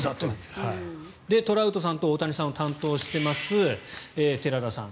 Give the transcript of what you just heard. トラウトさんと大谷さんを担当してます、寺田さん。